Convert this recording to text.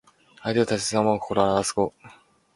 相手を大切に思う心をあらわす語。